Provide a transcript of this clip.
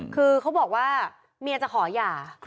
คือเขาบอกว่าเมียจะขอหย่า